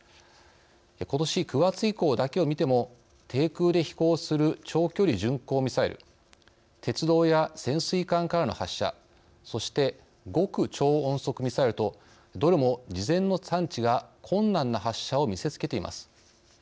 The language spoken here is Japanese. ことし９月以降だけをみても低空で飛行する長距離巡航ミサイル鉄道や潜水艦からの発射そして極超音速ミサイルとどれも事前の探知が困難な発射を見せつけています。